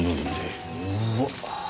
うわっ。